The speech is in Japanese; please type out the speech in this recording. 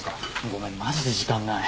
ごめんマジで時間ない。